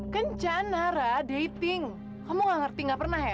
kencan nara dating kamu gak ngerti gak pernah ya